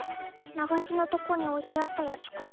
流しのとこに置いてあったやつか？